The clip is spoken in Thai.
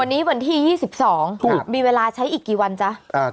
วันนี้วันที่๒๒มีเวลาใช้อีกกี่วันจ๊ะ